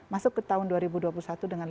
masuk ke tahun dua ribu dua puluh satu dengan